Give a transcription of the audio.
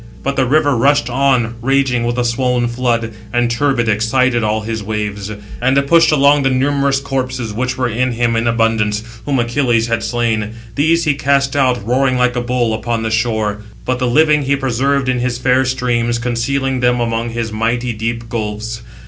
But he (the River) rushed on, raging with a swoln flood, and, turbid, excited all his waves. And it pushed along the numerous corpses, which were in him 680 in abundance, whom Achilles had slain. These he cast out, roaring like a bull, upon the shore; but the living he preserved in his fair streams, concealing them among his mighty deep gulfs.